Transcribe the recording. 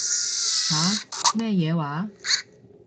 吓？咩嘢話？